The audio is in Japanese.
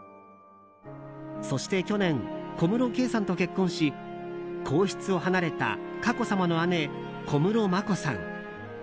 そして去年、小室圭さんと結婚し皇室を離れた佳子さまの姉・小室眞子さん。